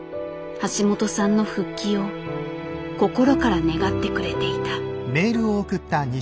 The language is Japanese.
橋本さんの復帰を心から願ってくれていた。